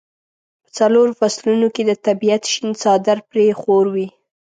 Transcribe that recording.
په څلورو فصلونو کې د طبیعت شین څادر پرې خور وي.